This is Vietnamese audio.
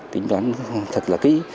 tính đoán thật là kỹ